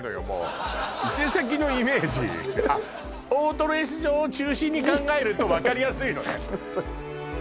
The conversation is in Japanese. もう伊勢崎のイメージあっオートレース場を中心に考えると分かりやすいのね